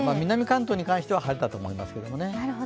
南関東に関しては晴れだと思いますけどね。